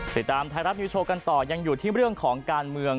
ติดตามไทยรัฐนิวโชว์กันต่อยังอยู่ที่เรื่องของการเมือง